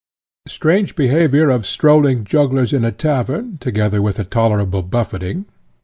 Strange behaviour of strolling jugglers in a tavern, together with a tolerable buffeting.